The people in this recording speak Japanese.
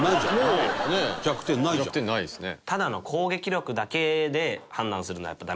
弱点ないですね。